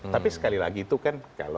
tapi sekali lagi itu kan